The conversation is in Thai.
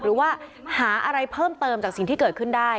หรือว่าหาอะไรเพิ่มเติมจากสิ่งที่เกิดขึ้นได้